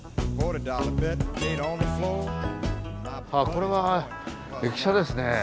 これは駅舎ですね。